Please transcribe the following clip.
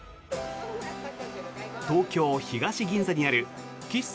東京・東銀座にある喫茶